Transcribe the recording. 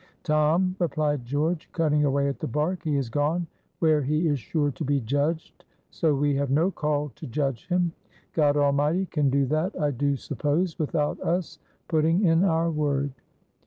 "Tom," replied George, cutting away at the bark, "he is gone where he is sure to be judged; so we have no call to judge him. God Almighty can do that, I do suppose, without us putting in our word."